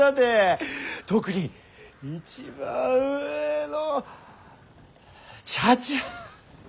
特に一番上の茶々。